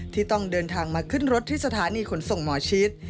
ที่ต้องเดินทางมาขึ้นรถที่สถานีขนส่งหมอชิด